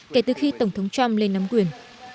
kể từ khi tổng thống trump lên nắm quyền